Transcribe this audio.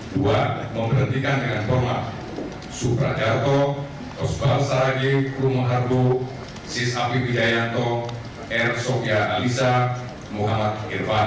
dua memberhentikan dengan hormat suprajarto rosbal saragip rumahardu sis api widayanto r sokya alisa muhammad irfan